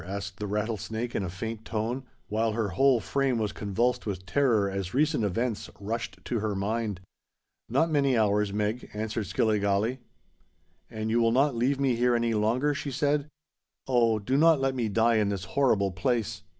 asked the Rattlesnake in a faint tone, while her whole frame was convulsed with terror as recent events rushed to her mind. "Not many hours, Meg," answered Skilligalee. "And you will not leave me here any longer?" she said. "Oh! do not let me die in this horrible place!"